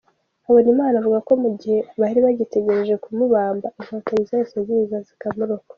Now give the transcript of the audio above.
Habonimana avuga ko mu gihe bari bagitegereje kumubamba inkotanyi zahise ziza zikamurokora.